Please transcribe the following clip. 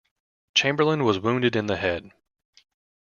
Chamberlain was wounded in the head.